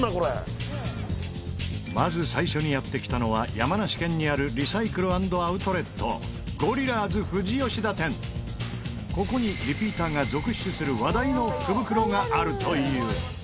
まず最初にやってきたのは山梨県にあるここにリピーターが続出する話題の福袋があるという。